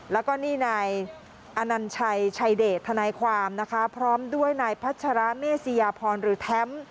แล้วก็นี่นายอนัญชัยชัยเดชทนายความนะคะพร้อมด้วยนายพัชราเมษยาพรหรือแท้ม